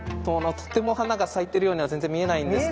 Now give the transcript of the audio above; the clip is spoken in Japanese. とても花が咲いてるようには全然見えないんですけど。